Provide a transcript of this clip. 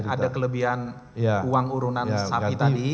ada kelebihan uang urunan sapi tadi